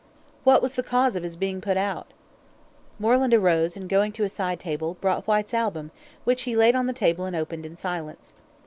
"What was the cause of his being put out?" Moreland arose, and going to a side table, brought Whyte's album, which he laid on the table and opened in silence.